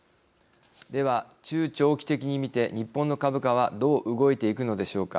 では、中長期的に見て日本の株価はどう動いていくのでしょうか。